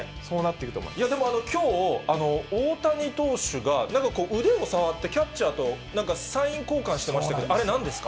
でもきょう、大谷投手が腕を触って、キャッチャーと、なんかサイン交換してましたけど、あれ、なんですか。